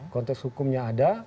konteks hukumnya ada